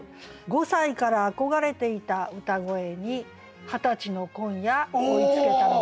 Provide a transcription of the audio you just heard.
「五歳から憧れていた歌声に二十歳の今夜追いつけたのかな」。